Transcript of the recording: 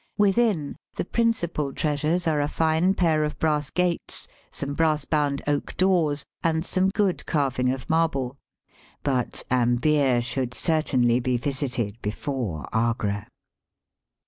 Within, the principal treasm es are a fine pair of brass gat^s, some brass bound oak doors, and some good carving of marble. Eut Amber should certainly be visited before Agra.